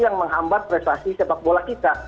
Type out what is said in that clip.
yang menghambat prestasi sepak bola kita